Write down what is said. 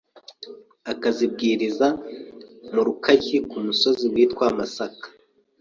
akazibwiriza mu Rukaryi ku musozi witwa Masaka